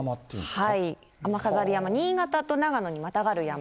雨飾山、新潟と長野にまたがる山。